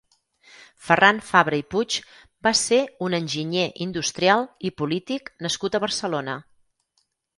Ferran Fabra i Puig va ser un enginyer industrial i polític nascut a Barcelona.